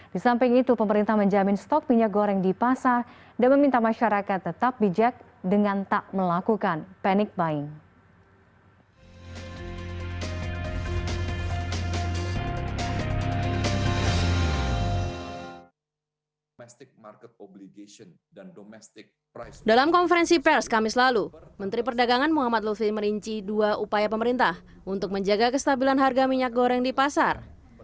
di samping itu pemerintah menjamin stok minyak goreng di pasar